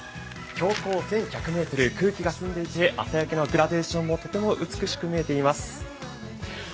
標高１１００ｍ、空気が澄んでいて朝焼けのグラデーションもとても美しく見えています。